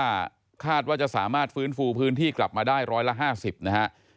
ถ้าคาดว่าจะสามารถฟื้นฟูพื้นที่กลับมาได้๑๕๐ไร่นะครับ